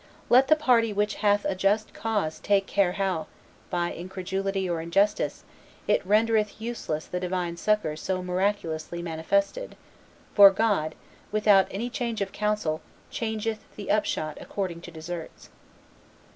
Let the party which hath a just cause take care how, by incredulity or injustice, it rendereth useless the divine succor so miraculously manifested, for God, without any change of counsel, changeth the upshot according to deserts."